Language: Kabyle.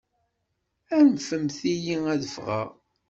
Anfemt-iyi ad ffɣeɣ!